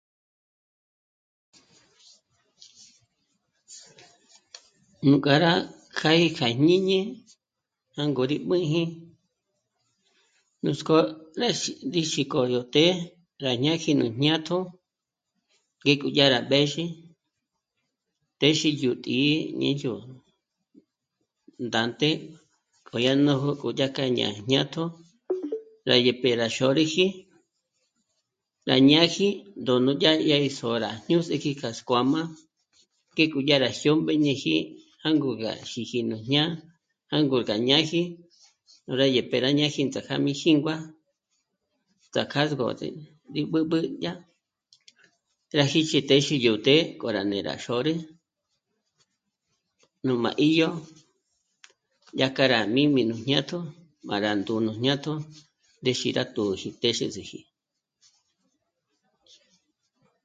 Nú k'a rá kjâ'a í kja jñíñi, jângo rí b'ǘji, núts'k'ó ndéxi ndíxi k'o yó të́'ë rá ñáji nú jñátjo, ngék'o dyà rá b'ézhi, téxe yó tǐ'i ñe yó ndánte k'o dyà nójo k'o dya k'a ñá'a jñátjo rá dyép'e rá xôrüji rá ñáji d'ó'nu dyà yá í s'ô'o rá ñús'ëji k'a skuáma ngék'o dyà rá jyómbéñeji jângo gá xíji nú jñá'a, jângo gá ñáji nú rá dyép'e rá ñáji índzak'a mí jíngua tsjá k'a ngòs'ü í b'ǚb'ü dyà, trájíxi téxi yó të́'ë k'o rá né'e rá xôrü, nú má 'íyo dyá k'a rá jmī́mī nú jñátjo má rá ndú'u nú jñátjo ndéxi rá túji téxe zë̀ji